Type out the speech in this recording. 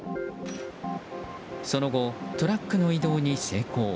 その後、トラックの移動に成功。